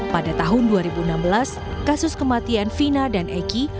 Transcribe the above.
pada tahun dua ribu enam belas kasus kematian vina dan eki